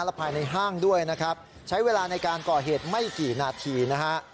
และภายในห้างด้วยนะครับใช้เวลาในการก่อเหตุไม่กี่นาทีนะฮะ